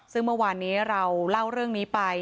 ซึ่งเมื่อวานนี้เราเล่าเรื่องนี้ไป